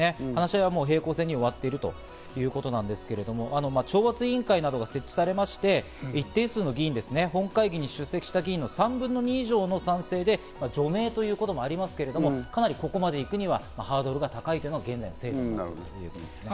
話し合いは平行線に終わってるということなんですけど懲罰委員会などが設置されまして、一定数の議員、本会議に出席した議員の３分の２以上の賛成で除名ということもありますけれど、かなりここまで行くにはハードルが高いということですね。